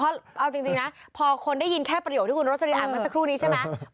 เพราะเอาจริงนะพอคนได้ยินแค่ประโยชน์ที่คุณรู้สึกอังมันสักครู่นี้ใช่ไหม